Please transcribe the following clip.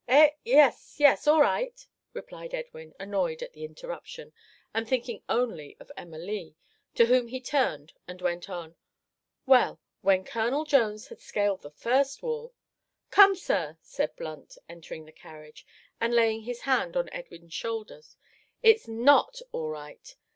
"Eh? yes, yes all right," replied Edwin, annoyed at the interruption, and thinking only of Emma Lee, to whom he turned, and went on "Well, when Colonel Jones had scaled the first wall " "Come, sir," said Blunt, entering the carriage, and laying his hand on Edwin's shoulder, "it's not all right.